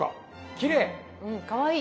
きれい。